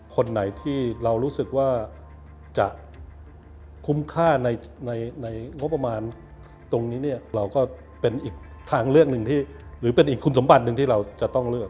คนไหนที่เรารู้สึกว่าจะคุ้มค่าในงบประมาณตรงนี้เนี่ยเราก็เป็นอีกทางเลือกหนึ่งที่หรือเป็นอีกคุณสมบัติหนึ่งที่เราจะต้องเลือก